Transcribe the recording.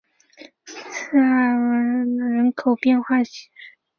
格雷西尼亚克小教堂人口变化图示